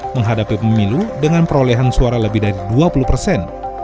menghadapi pemilu dengan perolehan suara lebih dari dua puluh persen